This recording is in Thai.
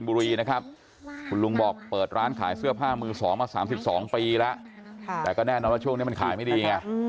มีหน้ามือสอนมา๓๒ปีแล้วแต่ก็แน่นอนว่าช่วงนี้มันขายไม่ดี